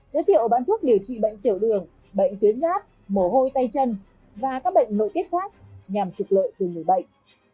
giới thiệu bán thuốc điều trị bệnh tiểu đường bệnh tuyến giáp mổ hôi tay chân và các bệnh nội tiết khác nhằm trục lợi từ người bệnh